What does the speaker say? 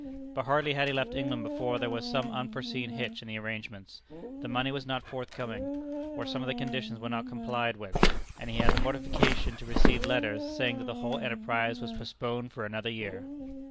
But hardly had he left England before there was some unforeseen hitch in the arrangements, the money was not forthcoming, or some of the conditions were not complied with, and he had the mortification to receive letters, saying that the whole enterprise was postponed for another year!